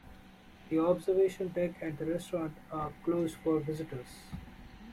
The observation deck and the restaurant are closed for visitors.